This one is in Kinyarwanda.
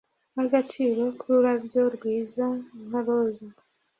nkagaciro nkururabyo, rwiza nka roza